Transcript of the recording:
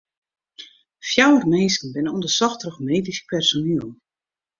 Fjouwer minsken binne ûndersocht troch medysk personiel.